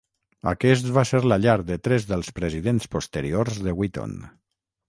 Aquest va ser la llar de tres dels presidents posteriors de Wheaton.